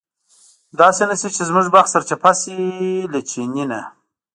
داسې نه شي چې زموږ بخت سرچپه شي له چیني نه.